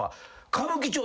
歌舞伎町で。